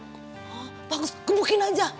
oh bagus kebukin aja